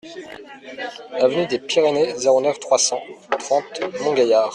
Avenue des Pyrénées, zéro neuf, trois cent trente Montgaillard